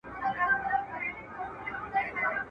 او نور به پرته له ګدايۍ کولو !.